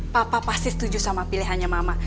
papa pasti setuju sama pilihannya mama